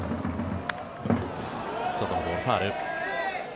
外のボール、ファウル。